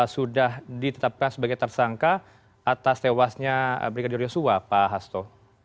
sudah ditetapkan sebagai tersangka atas tewasnya brigadir yosua pak hasto